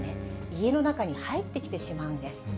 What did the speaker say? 家の中に入ってきてしまうんです。